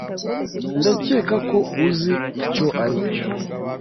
Ndakeka ko uzi icyo aricyo.